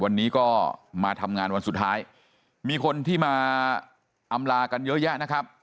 วันนี้ก็มาทำงานวันสุดท้ายมีคนที่มาอำลากันเยอะแยะนะครับ